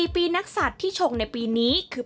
ปีนักศัตริย์ที่ชงในปีนี้คือ